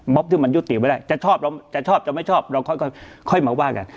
มอบที่มันยุติไว้ได้จะชอบจะชอบจะไม่ชอบเราค่อยค่อยมาว่ากัน